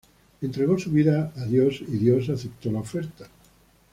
Entregó su vida a Dios... y Dios aceptó la oferta.